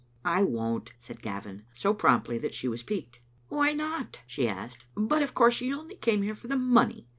"I won't," said Gavin, so promptly that she was piqued. "Why not?" she asked. "But of course you only came here for the money.